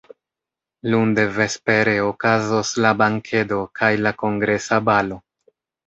Lunde vespere okazos la bankedo kaj la kongresa balo.